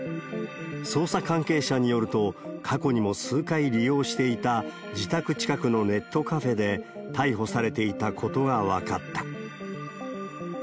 捜査関係者によると、過去にも数回利用していた自宅近くのネットカフェで、逮捕されていたことが分かった。